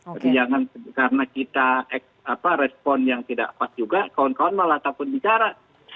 tapi jangan karena kita respon yang tidak pas juga kawan kawan malah takut bicara